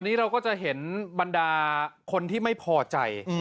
อันนี้เราก็จะเห็นบรรดาคนที่ไม่พอใจ